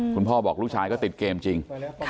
คุณพ่อบอกลูกชายก็ติดเกมจริง